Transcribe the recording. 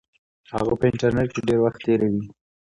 هغه په انټرنیټ کې ډېر وخت تیروي.